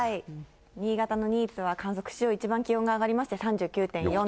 新潟の新津は観測史上１番気温が上がりまして３９．４度。